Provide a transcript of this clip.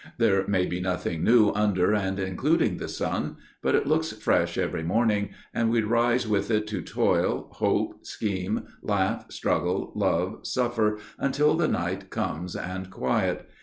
There may be nothing new under and including the sun; but it looks fresh every morning, and we rise with it to toil, hope, scheme, laugh, struggle, love, suffer, until the night comes and quiet.